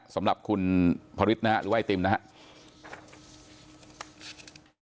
สำหรับคุณพริษนะฮะหรือว่าไอติมนะฮะ